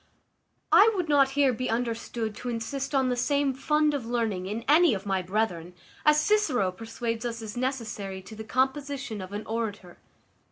I would not here be understood to insist on the same fund of learning in any of my brethren, as Cicero persuades us is necessary to the composition of an orator.